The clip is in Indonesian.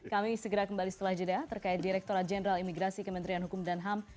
kami segera kembali setelah jeda terkait direkturat jenderal imigrasi kementerian hukum dan ham